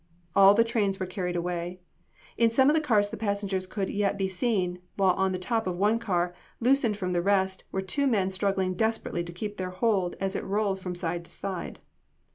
All the trains were carried away. In some of the cars the passengers could yet be seen, while on the top of one car, loosened from the rest, were two men struggling desperately to keep their hold as it rolled from side to side.